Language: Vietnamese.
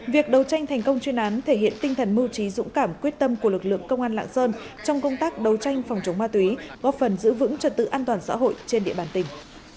việc đấu tranh thành công chuyên án thể hiện tinh thần mưu trí dũng cảm quyết tâm của lực lượng công an lạng sơn trong công tác đấu tranh phòng chống ma túy góp phần giữ vững trật tự an toàn xã hội trên địa bàn tỉnh